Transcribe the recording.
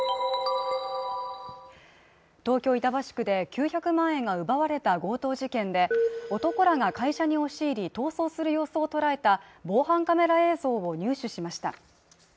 東京・板橋区で９００万円が奪われた強盗事件で、男らが会社に押し入り逃走する様子を捉えた防犯カメラ映像を入手しました。